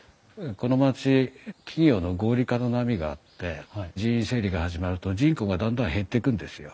この町企業の合理化の波があって人員整理が始まると人口がどんどん減ってくんですよ。